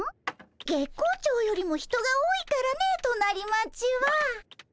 月光町よりも人が多いからね隣町は。